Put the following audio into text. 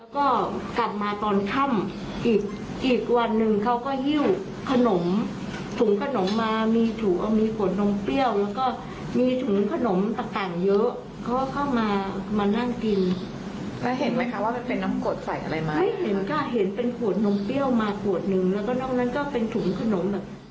เป็นขวดนมเปรี้ยวมาขวดหนึ่งแล้วก็นอกนั้นก็เป็นถุงขนม